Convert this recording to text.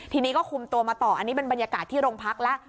ทีนี้ก็คุมตัวมาต่ออันนี้เป็นบรรยากาศที่โรงพักแล้ว